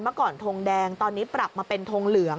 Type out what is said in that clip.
เมื่อก่อนทงแดงตอนนี้ปรับมาเป็นทงเหลือง